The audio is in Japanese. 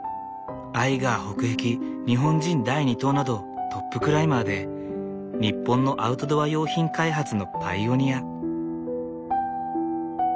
アイガー北壁日本人第２登などトップクライマーで日本のアウトドア用品開発のパイオニア。